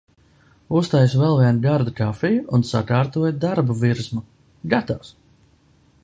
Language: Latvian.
Uztaisu vēl vienu gardu kafiju un sakārtoju darbvirsmu. Gatavs!